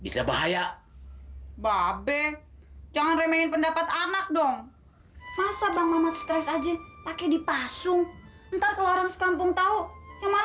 sampai jumpa di video selanjutnya